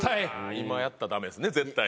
今やったらダメですね絶対。